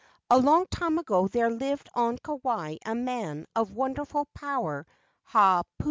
A long time ago there lived on Kauai a man of wonderful power, Hau pu.